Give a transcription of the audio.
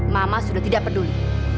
mama sudah tidak peduli